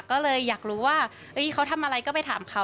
ก็เลยอยากรู้ว่าเขาทำอะไรก็ไปถามเขา